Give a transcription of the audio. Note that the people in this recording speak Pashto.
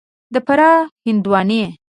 د فراه هندوانې